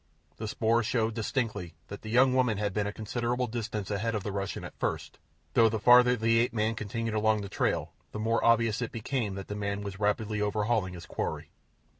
The spoor showed distinctly that the young woman had been a considerable distance ahead of the Russian at first, though the farther the ape man continued along the trail the more obvious it became that the man was rapidly overhauling his quarry.